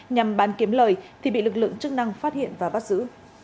nhằm bán kiếm lời thì bị lực lượng chức năng phát hiện và bắt giữ